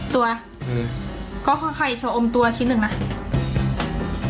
ตัวคือไข่โชอมตัวชิ้นหนึ่งนะ